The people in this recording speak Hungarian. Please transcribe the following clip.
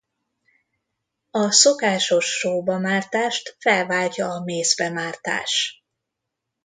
A szokásos sóba mártást felváltja a mézbe mártás.